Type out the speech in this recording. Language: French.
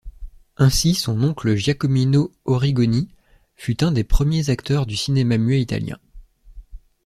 Ainsi son oncle Giacomino Origoni fut un des premiers acteurs du cinéma muet italien.